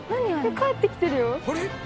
帰ってきてるよ！